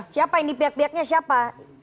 siapa ini pihak pihaknya siapa